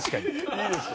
いいでしょ。